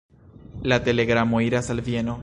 La telegramo iras al Vieno.